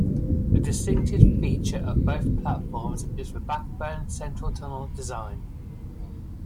The distinctive feature of both platforms is the backbone central-tunnel design.